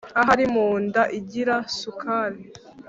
Ahari mu nda igira sukari!